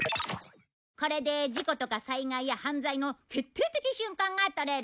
これで事故とか災害や犯罪の決定的瞬間が撮れる。